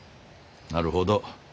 なるほど。